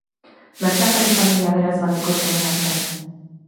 Merkatari-familia aberats bateko semea zen.